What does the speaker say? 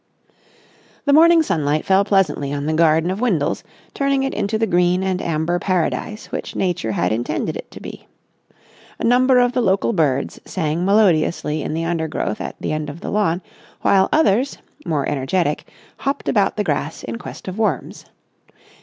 The morning sunlight fell pleasantly on the garden of Windles, turning it into the green and amber Paradise which Nature had intended it to be. A number of the local birds sang melodiously in the undergrowth at the end of the lawn, while others, more energetic, hopped about the grass in quest of worms.